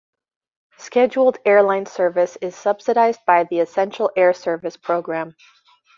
Scheduled airline service is subsidized by the Essential Air Service program.